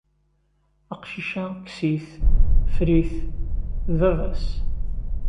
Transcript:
Aqcic-a, kkes-it, ffer-it, d baba-s.